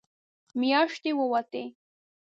مياشتې ووتې.